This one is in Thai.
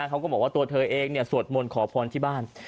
เขาก็บอกว่าตัวเธอเองสวดมนต์ขอพรที่บ้าน